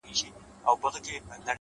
په سپينه زنه كي خال ووهي ويده سمه زه،